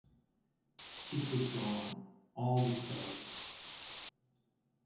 It was gone; all was dark.